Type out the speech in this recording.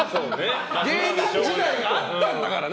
芸人時代があったんだからね。